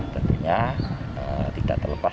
tentunya tidak terlepas